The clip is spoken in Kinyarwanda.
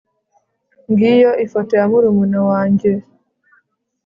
ngiyo ifoto ya murumuna wanjye